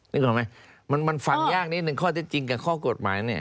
นึกออกไหมมันฟังยากนิดนึงข้อเท็จจริงกับข้อกฎหมายเนี่ย